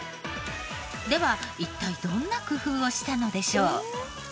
では一体どんな工夫をしたのでしょう？